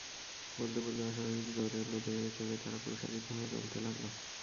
বলতে বলতে অস্বাভাবিক জোর এল দেহে–চোখের তারা প্রসারিত হয়ে জ্বলতে লাগল।